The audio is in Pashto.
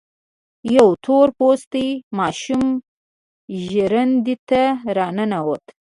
يوه تور پوستې ماشومه ژرندې ته را ننوته.